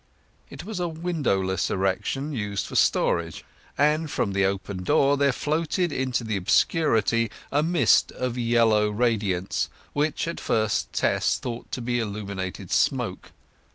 It was a windowless erection used for storage, and from the open door there floated into the obscurity a mist of yellow radiance, which at first Tess thought to be illuminated smoke.